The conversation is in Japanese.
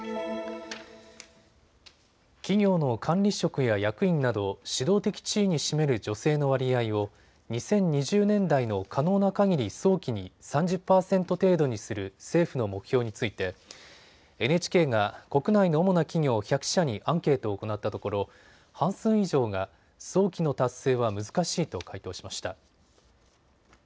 企業の管理職や役員など指導的地位に占める女性の割合を２０２０年代の可能なかぎり早期に３０％程度にする政府の目標についてＮＨＫが国内の主な企業１００社にアンケートを行ったところ半数以上が早期の達成は難しいと回答しました。